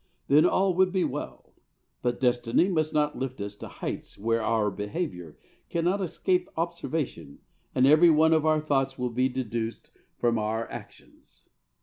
Then all would be well. But destiny must not lift us to heights where our behaviour cannot escape observation and every one of our thoughts will be deduced from our actions.